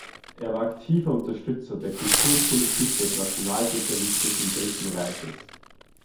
Er war aktiver Unterstützer der Kulturpolitik des nationalsozialistischen Dritten Reiches.